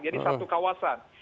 jadi satu kawasan